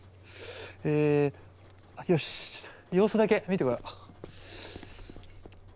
えよし様子だけ見てこよう。